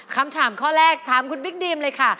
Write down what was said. คำถามข้อแรกถามคุณบิ๊กดีมเลยค่ะ